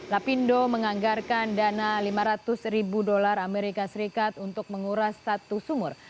lapindo menganggarkan dana lima ratus ribu dolar amerika serikat untuk menguras satu sumur